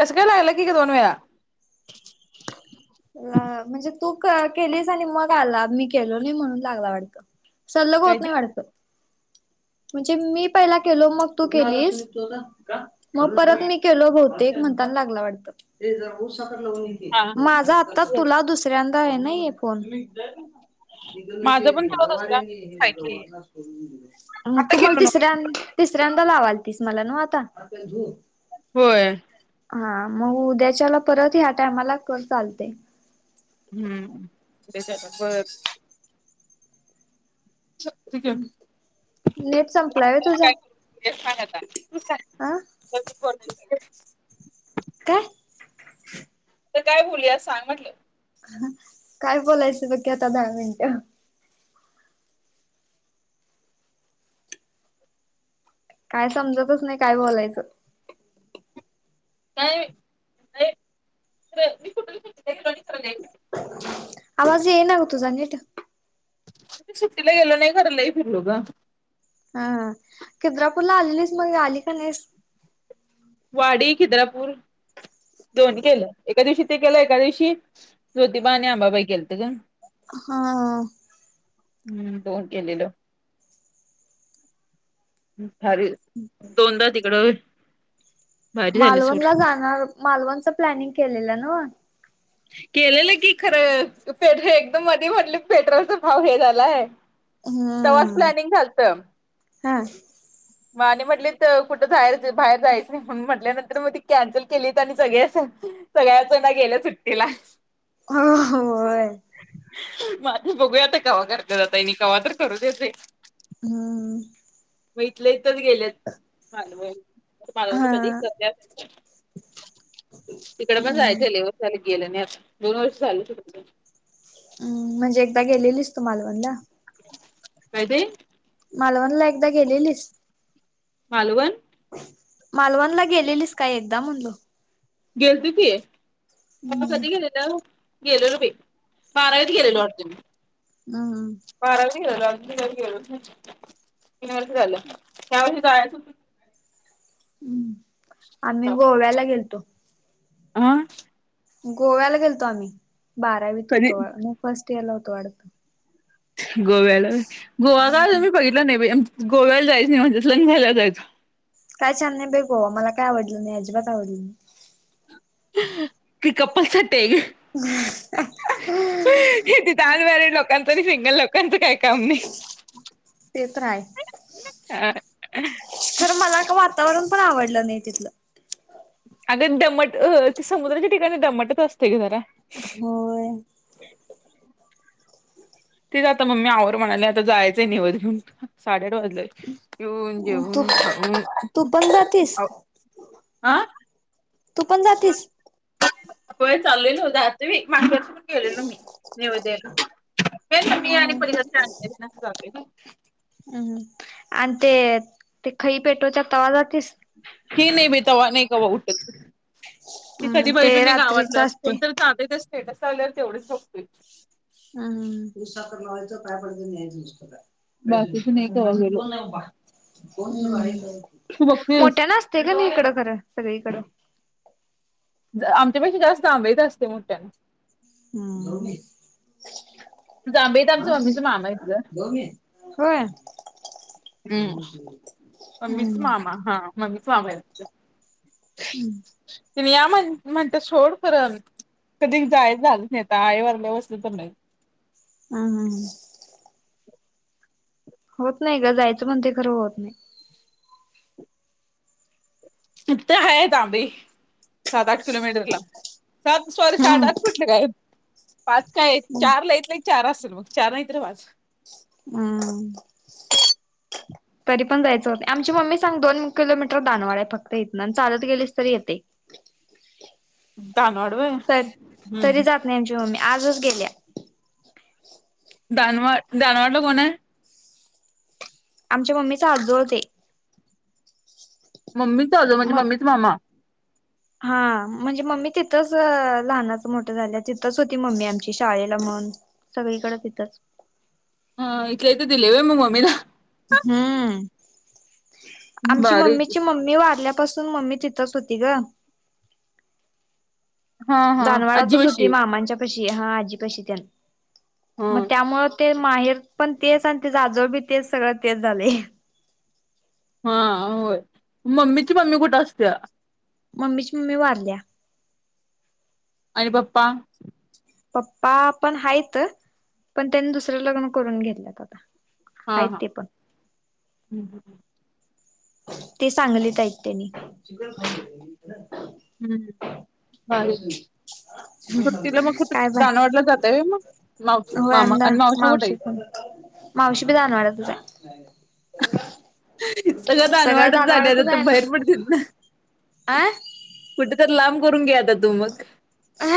कसं काय राहिलाय कि ग का दोन वेळा म्हणजे तू केलीस आणि मग आला मी केलो नाही म्हणून लागला वाटत सल्लग होत काय नाही ते वाडचं म्हणजे मी पहिला केलो मग तू केलीस मग परत मी केल बहतेक म्हणताना लागला वाटत हा हा आता तुला दुसऱ्यांदा आहे ना फोन माझं पण तुला दुसरा आहे की आता तुम्हाला केलो नव्ह तिसऱ्या तिसऱ्यांदा लावाल तीस मला ना आता होय हा मग उद्याच्याला परत ह्या टाई माला कर चालते हम्म ते ब ठीक आहे नेट संपलाय व्हय तुझा काय करांल्यास अं तू [inaudible] काय तर काय बोलली असा सांग म्हटलं काय बोलायचं बघ कि आता दहा मिनटं काय समजतच नाही काय बोलायचं काय कुठ नाही आवाजे येईना ग तुझा नीट त सुट्टीला गेलो नाहीखरं लय फिरलो ग हा खि द्रापूरला आलेलीस मग आली का नाहीस वाडी खिद्रा पूर दोन्ही केलं एका दिवशी ते केलं एका दिवशी ज्योतिबा आणि आंबाबाई केलं ग हा हम्म दोन केलेलं भारी दोनदा तिकडं भारी झालं सोड. मालवणला जाणार मालवणच प्लॅनिंग केलेलं ना केलेलं की खरं प एकदम मधी म्हटलं पेट्रोलचा भाव हे झालाय तेव्हाच हम्म प्लॅनिंग झालत हा आणि म्हटले तर कुठं जायच बाहेर जायचं नाही म्हणून म्हटल्या मग ती कॅन्सल केलीत आणि सगळ्याच सगळ्याच ना गेल्या सुट्टीला हो होय माझे बघूया आता कवा करत्यात आता हेनी कवा्हा तर करू देते हम्म मग इथलं इथच गेलेत मालवन मालवन हा तर कधी करत्यात तिकड पण हम्म जायचं लय दिवस गेलं नाही आता दोन वर्ष झालू सु हम्म म्हणजे एकदा गेलेलीच तुमलवणला. काय तेे मालवणला एकदा गेलेली स मालवण मालवणला गेलेलीस काय एकदा म्हणलो गेल त ती हम्म कधी गेलेलं गेल री. बारावीत गेलेलो अर्जुून हम्म बारावी गे गेल तिन वर्ष झाल हया वर्षी जायचं. हम्म आम्ही गोव्याला गेलतो. आह [unintelligible] [unintelligible] गोव्याला गेलतो आम्ही बारावीत कधी होतो मग फर्स्ट इयर ला होतो वाढतो. गोव्याला गोवा का तुम्ही बघितला नाही. गोव्याला जायच नाही म्हणज्यात लंग घायला जायचं काय छान नाही बे गोवा मला काय आवडलं नाही अजिबात आवडल नाही. ते कपल साठी आहे ग तिथे अमर्रीएड.. लोकांचं नाही सिंगल लोकांचं काही काम नाही. ते तरय तर मला का वातावरण पण आवडलं नाही. तिथलं.. अगर दमट अ समुद्राच्या ठिकाणी दम्मटच असते की जरा.. होय तेच आता मम्मी आवर म्हणाले आता जायचंय निवत घेऊन साड्या. य येऊन तू जेऊन तू पण जातीस खऊ. आं तू पण जातीस. हो चालले मी मागच्या वर्षी पण गेली होती नैवेद्य द्यायला. फ ममीणी हम्म. परी सजा हम्म आणि ते ते खई पेटोच्या तवाजातीलस.. हे नाही बेतावा नाही कावा उठत. ते हम्म कधी बैल नाही रात्रीच गावातलं असते कोण तर तांदच्या स्टेटस लावल्यावर तेवढच बघतोय. हम पुू साखलावा्हायचं काय पडत नाही यायच पुसत का. बाकीच नाही कवा काजून गेलो कोण नाही कोण. तू बघतेस मोठ्या न असते का नाही इकडं खरं सगळीकडं.. आमच्यापेक्षा जास्त आमईेत असते मोठना. हम्म. हो जांभईत आमच्या मम्मीचा मामा आहेत होय. ह. गं मम्मीच मामा हा मम्मीच मामा य. हम्म ति या म्हण म्हणत सोड करण. कधी जायच झालं नाही आता आई वरले बसलं तर नाही. हम हम ह.. होत नाही ग जायचं पण ते खरं होत नाही. इथ आहे आहेत आंबी सात आठ किलोमीटरला सात.. सॉरी साड नाही. आत कुठले काय पाच काय चार ला इेतलं चार असेल मग चार नाहीत र पाच. हम् [unintelligible] आम्ही पणआमची मम्मी सां दोन किलोमीटर दानवड आहे फक्त चालत गेले तरी येते दानवाड व्हय तरी हम्म जात नाही आमची मम्मी आजच गेल्या. दानवार दानवारकोण आहे. आमच्या मम्मीचा आजोळ ते मम्मीच आो म्हणजे म मम्मीच मामा हा म्हणजे मम्मी तिथंच लहानाच मोठं झालं तिथंच होती मम्मी आमची शाळेला म्ह सगळीकडे तथच हा इथले इथ दिले व मग मम्मी ना हम्म आमची बारीक मम्मीची मम्मी वाारल्या पसून मम्मी चथ्रच होती ग हा हा आजी दानवाडातच होती बशी मामांच्या पशी हा आजीपाशी त्या मग हा त्यामु ते माहेर पण तेच आणि ते जाजळ बी तेच सगळं तेच झाले हा होय मम्मीची मम्मी कुठे असते मम्मीची मम्मी वारल्या आणिर पप्पा पप्पा पण हयच पण त्यानी दुसर्या लग्न करून घेतल्यात आता हा आहेत हा ते पण ते चांगलेत आहेत त्यांनी हम्म बाय सु तिला मग कुठं काय बा दानवडला जातय मग माव होय मामा आमदा आणि मावश कठ आहे मावशी पण मावशी बी दानवाडा तुझ सग अनवटच झालेता तू बाहेर पडते ना कुठे तर लांब करून घ्याता तू मग अ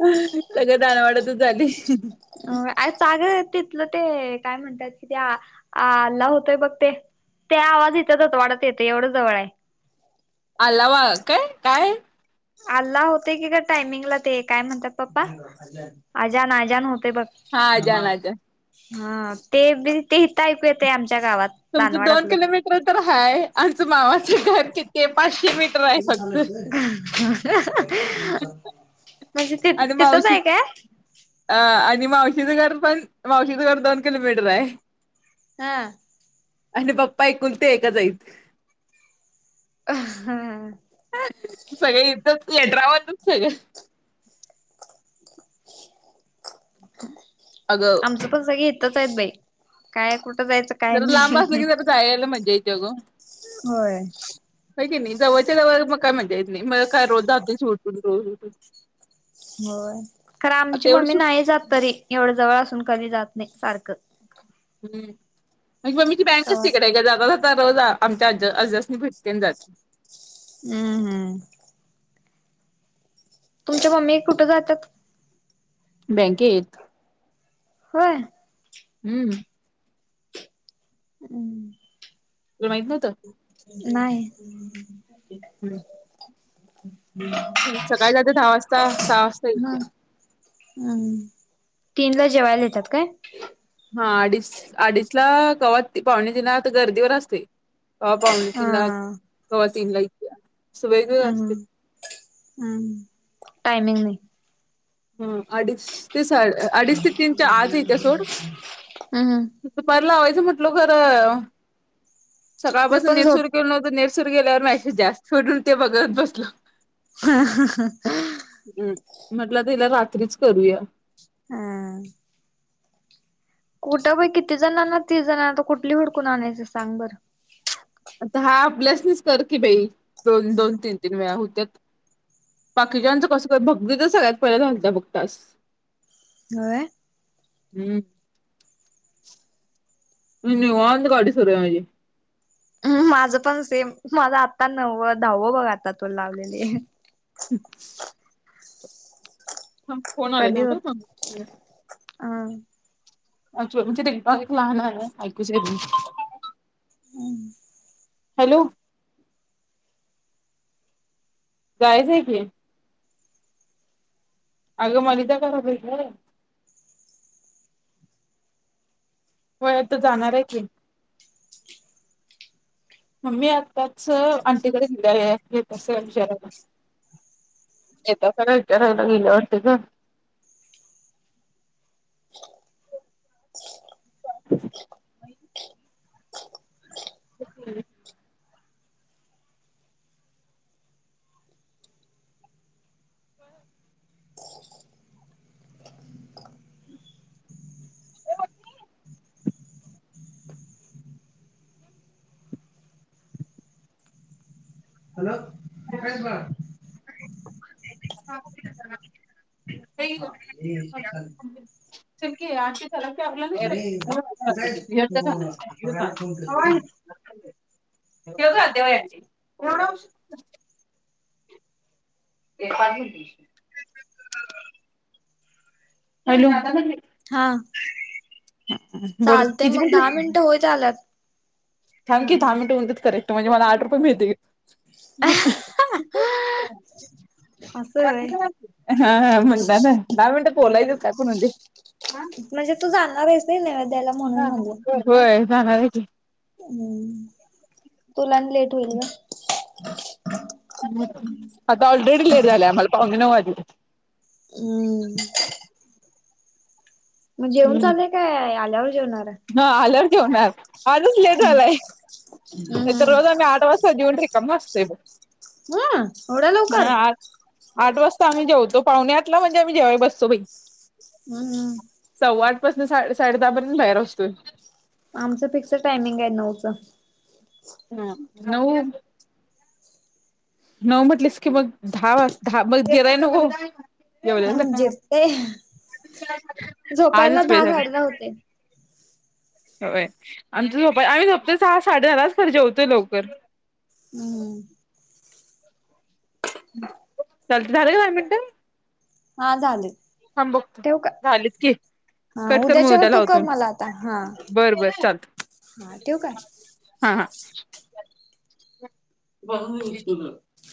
सगळं दानवाड्यातच झाले. अ आ पाग तिथलं ते काय म्हणतात कि त्या अल्ला होतोय बघ ते ते आवाज इथच होत वाढत येतं एवढं जवळ आहे अलावा काय काय आहे अल्ला होते की का टायमिंगला ते काय म्हणतात पप्पा अजान अजन हो घ हा जान आजा. ते तेऐकू येत आम तुमचं दोन किलोमीटर तर हाय आमच मामाचे घर कि पाचशे मीटर त आहे झा फक्त. म्हणजे तिथ आणि तिथंच मावशी आहे काय? अ आणि मावशीदगर पण मावशीदगर दोन किलोमीटर हा. आणि बाप्पा ऐकून ते ऐका आईत. सगळ इथच लेटरावर सगळं अगं आमचं पण सग येतच आहेत बाई काय कुठ जर लांब असला की ज जायला म्हणजे इची अगं. होय. का की नाही जवळच्या जवळ मग काय म्हणज येत नाही मग काय रोज जात श उटून रोज हो खर आमची आता एवढं मम्मी सुट नाही जात तरी एवढ जवळ असून कधी जात नि पारक. हम्म म्हणजे मम्मीची बँकच कवा तिकडे ग जाग. रोज आमच्या आज अजसनी भेटतेन जाते. हम्म हम्म. तुमच्या मम्मी कुठे जातात. बँक येत. होय. हम्म. हम्म. तुला माहित नव्हत नाहीय. हम्म. [unintelligible] सकाळी जात दहा वाजता सहा वाजता मग येते. हम्म तीन ला जेवायला येतात काय? हा अडीच अडीच ला गवात पाहुणे दिना तर गर्दीवर असते पा पावणी हा तिन ला गवा. [unintelligible] हम्म हम्म टामिंग नाही. हम्म अडीच ते अडीच ते तीनच्या आज इथ्या सोड हम्म. त परला हवाय. क म्हटल खर. मी सकाळपासून पण झोप निरसूर गेलं नव्हतं निरसूर गेल्यावर मासे जास्त [unintelligible] ते बघत बसलो. [unintelligible] आता हिला रात्रीच करूया. हा. कुठं प किती जणांना तीस जणांना तर कुठली हडकून आणायचं सांग बरं आता हा आप्ल्यासनीच कर की बाई दोन दोन तीन तीन वेळा होत्यात. बाकीच्याचं कसं भगदी तर सगळ्यात पहिलं घलत बघतास. होय. हम्म. निवांत गाडी सुरू आहे माझी. हम्म माझं पण सेम माझ आता नवव दहावं बघ आता तो लावलेलं. [unintelligible] [unintelligible] आं. [unintelligible] [unintelligible] हॅलो. गयचं आहे की. अगं मलता खराब का. [unintelligible] व तर जाणार आहे की मम्मी आत्ताच आंटी कडे गेले आहे घेत अस विषारला येता खरा विचारयला गेल्यावरती का [inaudible] हो हॅलोय ब [inaudible] ये चाले क अश [unintelligible] ठ का अध वची ए पा दिश ल हा ब चालते क मग दहा मिनिटं होईत आल्यात. थँ दहा मिनट म्हत करेक्ट म्हणे मला आठ रुपये मिळतील ह असं का होय. हा म्हण ना दहा मिनटं पोलाचस का कोण ते म्हणजे तू जाणार आहेस नाही म्हणून हा म्हणलं. ह होय जाणार आहे हम्म तुला लेट होईल ग धन्यवाद हम्म मग जेऊन चालय काय आल्यावर जेवणार े आजच लेट हम्म झालाय हम्म तर रोज आम्ही आठ वाज वल र कामस्त हं एवढा लवकर आठ वाजता आम्ही जेवतो पाहणे आठला म्हणजे आम्ही जेवायला बसतो बाई हम् सव्वा आठ साडे साडे दहापर्यंत बाहेर असतोय आमचं फिक्सड टायमिंग आहे नऊच हम न न म्हटलीस की मग दहा वाज दहा मग गेलाय न येवल हम्म जिरते झोपायला आजच दहा बेज साडे दहा होते. होय आमच झोपा आम्ही झोपतो सहा साडे दारच खरी जेवतोय लवकर हम्म चालत झालं का काार मिनट हा झाले ह बघतो ठेवू का? झालीत की हा कट कर मग उद्याच्या उद्या तू लावतो कर मला आता हा बर बर चालतंय हा ठव काय हा हा स चस